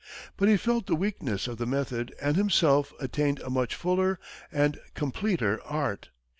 But he felt the weakness of the method and himself attained a much fuller and completer art.